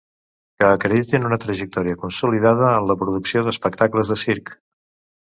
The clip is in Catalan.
Que acreditin una trajectòria consolidada en la producció d'espectacles de circ.